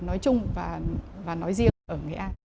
nói chung và nói riêng